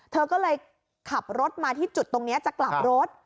เธอก็เลยขับรถมาที่จุดตรงนี้จะกลับรถ